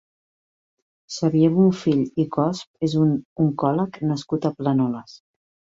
Xavier Bonfill i Cosp és un oncòleg nascut a Planoles.